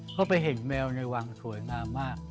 เข้าไปเห็นแมวในวังสวยงามมาก